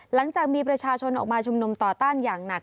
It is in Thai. หลังจากมีประชาชนออกมาชุมนุมต่อต้านอย่างหนัก